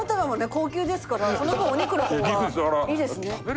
高級ですからその分お肉の方がいいですね。